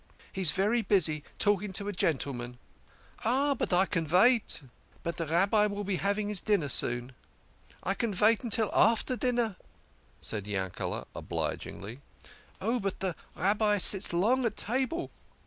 " He is very busy talking with a gentleman." " Oh, but I can vait." " But the Rabbi will be having his dinner soon." " I can vait till after dinner," said Yankel6 obligingly. " Oh, but the Rabbi sits long at table."